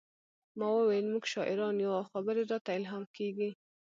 ما وویل موږ شاعران یو او خبرې راته الهام کیږي